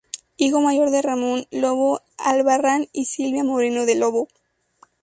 Hijo mayor de Ramón Lobo Albarrán y Silvina Moreno de Lobo.